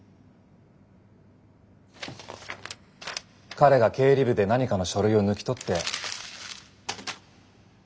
彼が経理部で何かの書類を抜き取って。